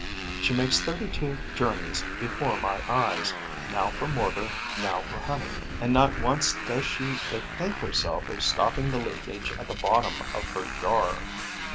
She makes thirty two journeys before my eyes, now for mortar, now for honey, and not once does she bethink herself of stopping the leakage at the bottom of her jar.